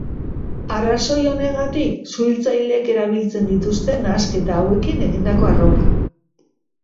Arrazoi honegatik, suhiltzaileek erabiltzen dituzte nahasketa hauekin egindako arropak.